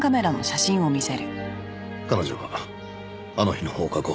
彼女はあの日の放課後。